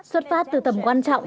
xuất phát từ tầm quan trọng